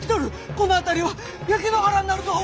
この辺りは焼け野原になるぞ！